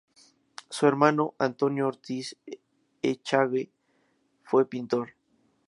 Su hermano, Antonio Ortiz Echagüe, fue pintor.